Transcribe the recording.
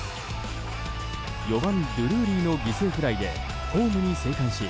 ４番、ドゥルーリーの犠牲フライでホームに生還し